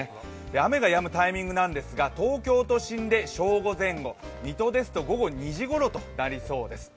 雨がやむタイミングなんですが東京都心で正午前後水戸ですと、午後２時ごろとなりそうです。